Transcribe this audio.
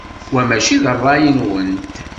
Wa maci d ṛṛay-nwent.